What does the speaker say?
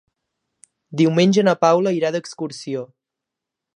Diumenge na Paula irà d'excursió.